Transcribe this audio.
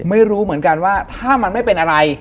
ไม่รู้เหมือนกันว่าถ้ามันไม่เป็นอะไร